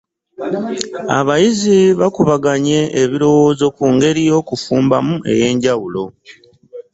Abayizi bakubaganye ebirowoozo ku ngeri y’okufumbamu ey’enjawulo.